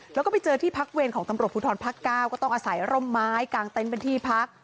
แล้วก็ไปเจอที่พักเวรของตำรวจภูทรภาคเก้าก็ต้องอาศัยร่มไม้กางเต็นต์เป็นที่พัก